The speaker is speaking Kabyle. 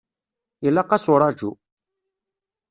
Ilaq-as uraǧu.